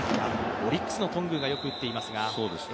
オリックスの頓宮がよく打っていますが。